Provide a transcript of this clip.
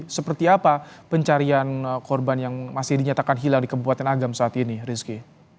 seperti apa pencarian korban yang masih dinyatakan hilang di kabupaten agam saat ini rizky